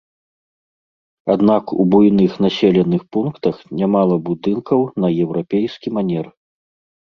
Аднак у буйных населеных пунктах нямала будынкаў на еўрапейскі манер.